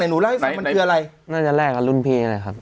แต่หนูเล่าให้ฟังมันคืออะไรน่าจะแลกกับรุ่นพี่นะครับ